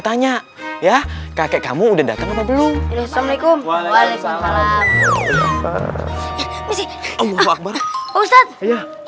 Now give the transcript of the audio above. tanya ya kakek kamu udah datang apa belum assalamualaikum waalaikumsalam ustadz ya